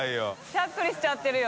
しゃっくりしちゃってるよ。